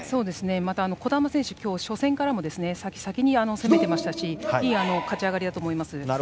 また、児玉選手は初戦から先に攻めていましたしいい勝ち上がりだと思います。